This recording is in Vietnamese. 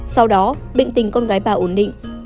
sau đó bệnh tình con gái bà ổn định